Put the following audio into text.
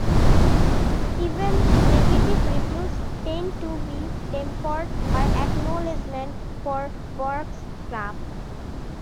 Even negative reviews tend to be tempered by acknowledgement for Burke's craft.